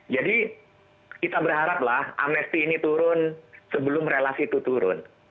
jadi kita berharaplah amnesti ini turun sebelum relasi itu turun